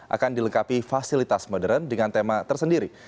akan dilengkapi fasilitas modern dengan tema tersendiri